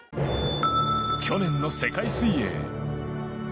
去年の世界水泳。